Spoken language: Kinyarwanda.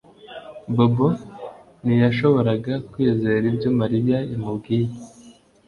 Bobo ntiyashoboraga kwizera ibyo Mariya yamubwiye